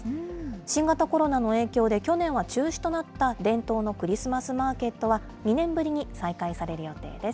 新型コロナの影響で、去年は中止となった伝統のクリスマスマーケットは、２年ぶりに再開される予定です。